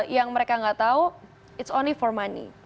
yang mereka nggak tahu it's only for money